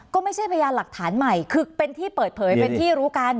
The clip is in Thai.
ก็ไม่ใช่พยานหลักฐานใหม่คือเป็นที่เปิดเผยเป็นที่รู้กัน